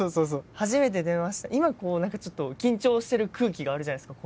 初めて電話した今こう何かちょっと緊張してる空気があるじゃないですか